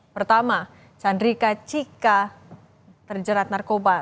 pertama chandrika cika terjerat narkoba